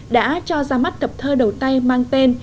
đã cho ra mắt tập thơ đầu tay mang tên